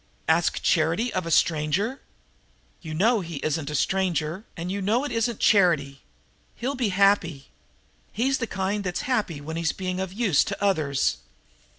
"Ask charity of a stranger?" "You know he isn't a stranger, and you know it isn't charity. He'll be happy. He's the kind that's happy when he's being of use to others?"